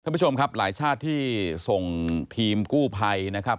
คุณผู้ชมครับหลายชาติที่ส่งทีมกู้ภัยนะครับ